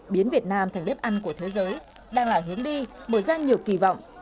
biến việt nam thành bếp ăn của thế giới đang là hướng đi mở ra nhiều kỳ vọng